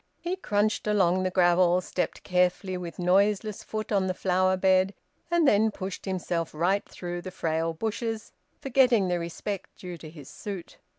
He crunched along the gravel, stepped carefully with noiseless foot on the flower bed, and then pushed himself right through the frail bushes, forgetting the respect due to his suit.